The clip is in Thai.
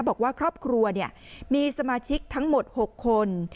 บอกว่าครอบครัวมีสมาชิกทั้งหมด๖คน